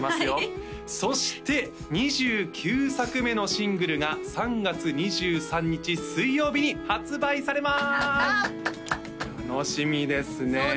よそして２９作目のシングルが３月２３日水曜日に発売されます楽しみですね